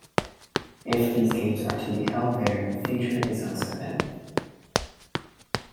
If these games are to be held there in the future is uncertain.